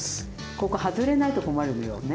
ここ外れないと困るのよね。